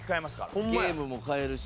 ゲームも買えるし。